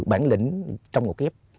bản lĩnh trong ngộ kép